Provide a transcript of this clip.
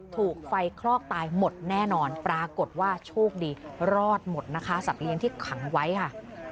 ถูกไฟคลอกตายหมดแน่นอนปรากฏว่าโชคดีรอดหมดนะคะสัตว์เลี้ยงที่ขังไว้ค่ะ